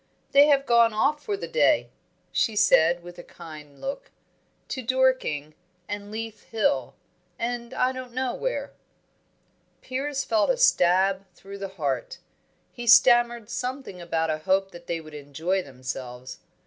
"They have gone off for the day," she said, with a kind look. "To Dorking, and Leith Hill, and I don't know where." Piers felt a stab through the heart. He stammered something about a hope that they would enjoy themselves.